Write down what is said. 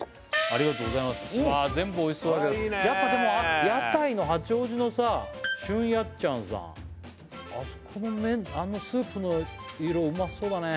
あ全部おいしそうやっぱでも屋台の八王子のさしゅんやっちゃんさんあそこの麺スープの色うまそうだね